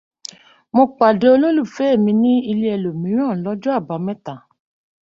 Mo pàdé olólùfẹ́ mi nílé ẹlòmíràn lọ́jọ́ àbámẹ́ta